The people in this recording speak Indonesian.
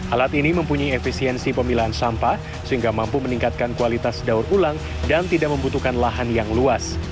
alat ini mempunyai efisiensi pemilahan sampah sehingga mampu meningkatkan kualitas daur ulang dan tidak membutuhkan lahan yang luas